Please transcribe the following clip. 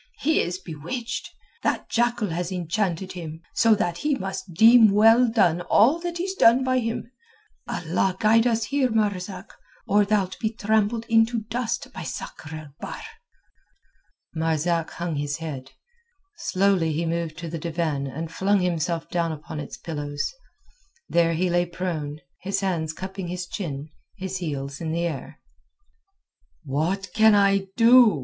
He is bewitched. That jackal has enchanted him, so that he must deem well done all that is done by him. Allah guide us here, Marzak, or thou'lt be trampled into dust by Sakr el Bahr." Marzak hung his head; slowly he moved to the divan and flung himself down upon its pillows; there he lay prone, his hands cupping his chin, his heels in the air. "What can I do?"